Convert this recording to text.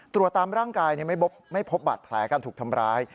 ตรวจตามร่างกายไม่พบบาดแผลการถูกทำร้าย